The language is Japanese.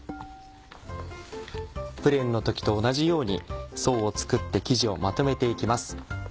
プレーンの時と同じように層を作って生地をまとめていきます。